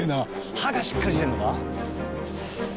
歯がしっかりしてるのか？